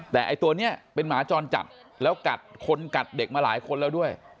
แต่ไอ้ตัวนี้เป็นหมาจรจัดแล้วกัดคนกัดเด็กมาหลายคนแล้วด้วย